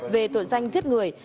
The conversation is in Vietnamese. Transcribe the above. về tội danh giết người